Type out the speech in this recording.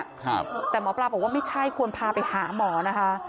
ครับแต่หมอปลาบอกว่าไม่ใช่ควรพาไปหาหมอนะคะ